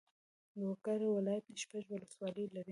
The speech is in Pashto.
لوګر ولایت شپږ والسوالۍ لري.